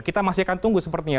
kita masih akan tunggu sepertinya